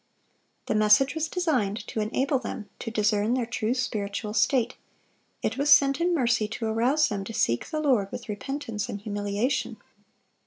The message was designed to enable them to discern their true spiritual state; it was sent in mercy to arouse them to seek the Lord with repentance and humiliation.